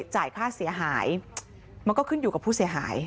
จ่ายค่าเสียหายมันก็ขึ้นอยู่กับผู้เสียหาย